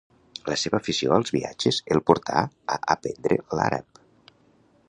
La seva afició als viatges el portà a aprendre l'àrab.